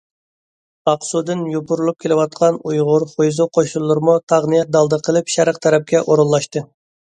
ئاقسۇدىن يوپۇرۇلۇپ كېلىۋاتقان ئۇيغۇر، خۇيزۇ قوشۇنلىرىمۇ تاغنى دالدا قىلىپ شەرق تەرەپكە ئورۇنلاشتى.